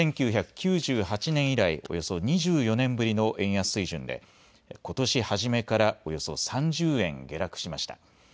１９９８年以来、およそ２４年ぶりの円安水準でことし初めからおよそ３０円下落しました。